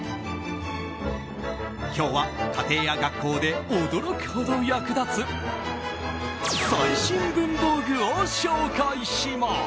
今日は家庭や学校で驚くほど役立つ最新文房具を紹介します。